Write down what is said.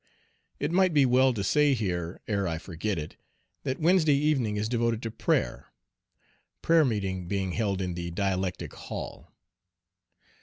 It might be well to say here, ere I forget it, that Wednesday evening is devoted to prayer, prayer meeting being held in the Dialectic Hall.